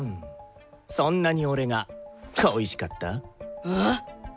そんなに俺が恋しかった？あ！？